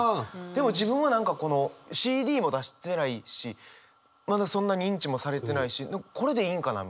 でも自分は何かこのＣＤも出してないしまだそんな認知もされてないしこれでいいんかな？